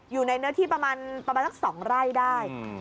อยู่ในเนื้อที่ประมาณประมาณสักสองไร่ได้อืม